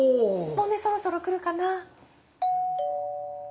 もうねそろそろ来るかな。